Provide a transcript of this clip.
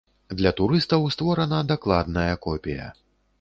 Для турыстаў створана дакладная копія.